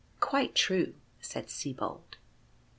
" Quite true," said Sibold.